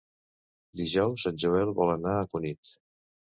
Dijous en Joel vol anar a Cunit.